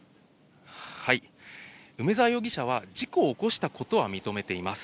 梅沢容疑者は、事故を起こしたことは認めています。